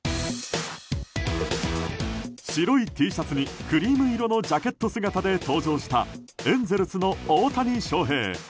白いＴシャツに、クリーム色のジャケット姿で登場したエンゼルスの大谷翔平。